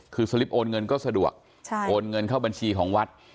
คือสลิปโอนเงินก็สะดวกโอนเงินเข้าบัญชีของวัด